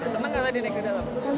seneng gak tadi naik ke dalam